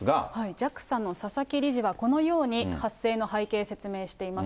ＪＡＸＡの佐々木理事は、このように発生の背景、説明しています。